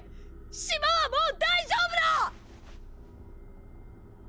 島はもう大丈夫だ！！